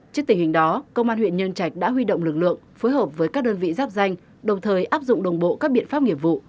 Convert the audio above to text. trước tình hình đó công an huyện nhân trạch đã huy động lực lượng phối hợp với các đơn vị giáp danh đồng thời áp dụng đồng bộ các biện pháp nghiệp vụ